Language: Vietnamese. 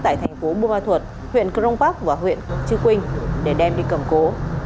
tại thành phố buôn ma thuật huyện crong park và huyện chư quynh để đem đi cầm cố